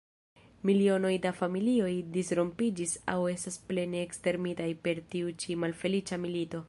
Milionoj da familioj disrompiĝis aŭ estas plene ekstermitaj per tiu ĉi malfeliĉa milito.